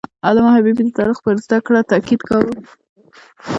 علامه حبیبي د تاریخ پر زده کړه تاکید کاوه.